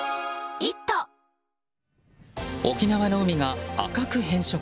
沖縄の海が赤く変色。